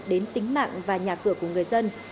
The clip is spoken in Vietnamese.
đến tính mạng và nhà cửa của người dân